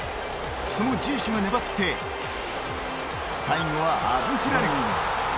そのジエシュが粘って最後はアブフラル。